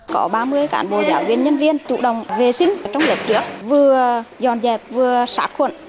có ba mươi cán bộ giáo viên nhân viên tụ đồng vệ sinh trong lượt trước vừa dòn dẹp vừa sát khuẩn